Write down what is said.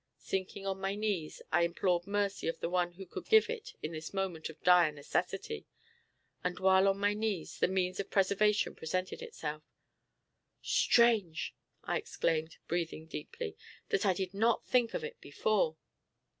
Sinking on my knees, I implored mercy of the One who could give it in this moment of dire necessity; and while on my knees the means of preservation presented itself. "Strange!" I exclaimed, breathing deeply, "that I did not think of it before."